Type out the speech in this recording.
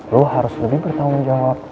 lo harus lebih bertanggung jawab